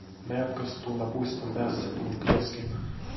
Näetkös, tuolla puiston päässä tuon kioskin.